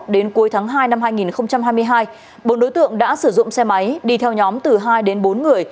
đến cuối tháng hai năm hai nghìn hai mươi hai bốn đối tượng đã sử dụng xe máy đi theo nhóm từ hai đến bốn người